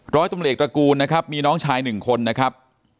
ร้อยตำรวจเอกตระกูลนะครับมีน้องชายหนึ่งคนนะครับ